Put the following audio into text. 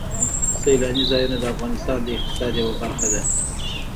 سیلاني ځایونه د افغانستان د اقتصاد یوه برخه ده.